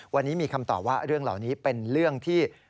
วันนี้มีคำตอบว่าเรื่องเหล่านี้เป็นเรื่องที่